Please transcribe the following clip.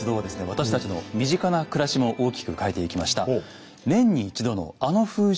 私たちの身近な暮らしも大きく変えていきました。